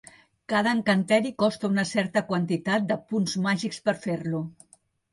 Cada encanteri costa una certa quantitat de punts màgics per fer-lo.